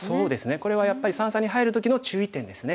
これはやっぱり三々に入る時の注意点ですね。